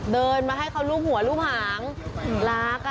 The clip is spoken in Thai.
เดินมาให้เค้ารูกห่างหลัก